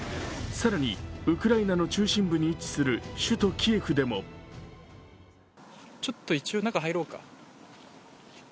更に、ウクライナの中心部に位置する首都キエフでもちょっと一応、中入ろうか。